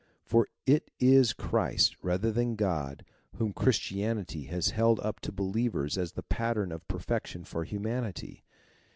Tor it is Christ, rather than God. whom ,__. fi "'*' inn *~~~* i...,. Christianity has held up to believers as the pattern of perfection for humanity.